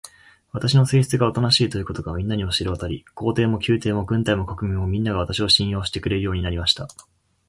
私の性質がおとなしいということが、みんなに知れわたり、皇帝も宮廷も軍隊も国民も、みんなが、私を信用してくれるようになりました。